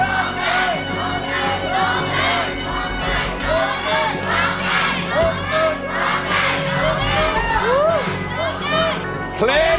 หั้งลุกนึ่ง